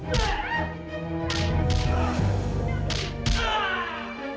jangan deketin saya pak